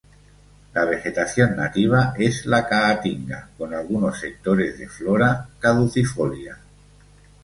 La vegetación nativa es la Caatinga con algunos sectores de flora caducifolia.